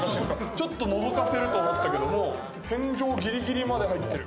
ちょっとのぞかせると思ったけど天井ぎりぎりまで入ってる。